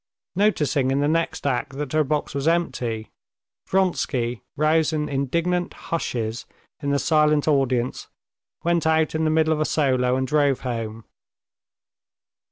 Noticing in the next act that her box was empty, Vronsky, rousing indignant "hushes" in the silent audience, went out in the middle of a solo and drove home.